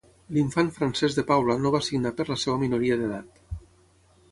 L'infant Francesc de Paula no va signar per la seva minoria d'edat.